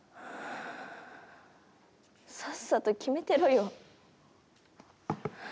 さっさと決めてろよ。